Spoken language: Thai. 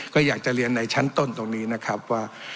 ก็อยากจะเรียนในชั้นต้นตรงนี้นะครับว่า